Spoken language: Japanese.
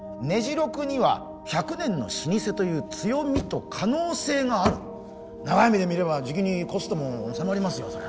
ねじ六には１００年の老舗という強みと可能性がある長い目で見ればじきにコストも収まりますよ